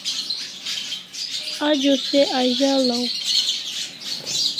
Ajo se azalaw